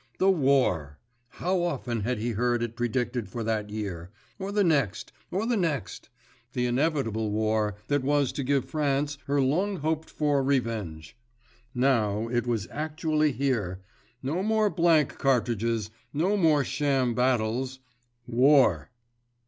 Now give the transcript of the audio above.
The war! How often had he heard it predicted for that year, or the next, or the next—the inevitable war that was to give France her long hoped for revenge. Now, it was actually here! No more blank cartridges, no more sham battles—_War!